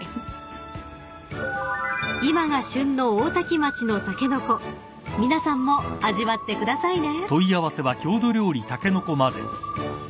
［今が旬の大多喜町のタケノコ皆さんも味わってくださいね］